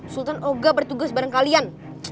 sultan oga bertugas bareng kalian